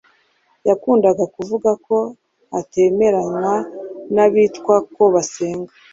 yakundaga kuvuga ko atemeranywa n’abitwa ko basenga